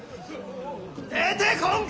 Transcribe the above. ・出てこんか！